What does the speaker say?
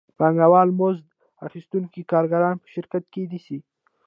پانګوال مزد اخیستونکي کارګران په شرکت کې نیسي